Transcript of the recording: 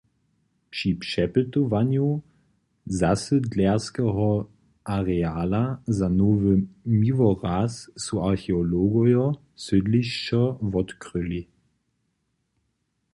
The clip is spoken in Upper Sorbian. Při přepytowanju zasydlenskeho areala za Nowy Miłoraz su archeologojo sydlišćo wotkryli.